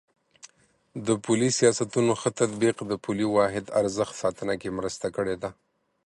د پولي سیاستونو ښه تطبیق د پولي واحد ارزښت ساتنه کې مرسته کړې ده.